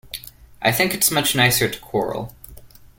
I think it's much nicer to quarrel.